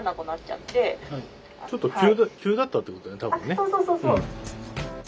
「あっそうそうそうそう！」。